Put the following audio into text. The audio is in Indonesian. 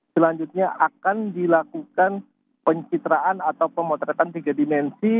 selanjutnya akan dilakukan pencitraan atau pemotretan tiga dimensi